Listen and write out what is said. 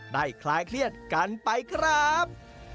ได้คลายเครียดกันไปกันครับ